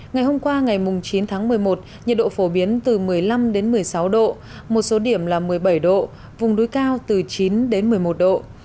ngày hôm qua ngày chín tháng một mươi một nhiệt độ phổ biến từ một mươi năm một mươi sáu độ một số điểm là một mươi bảy độ vùng núi cao từ chín đến một mươi một độ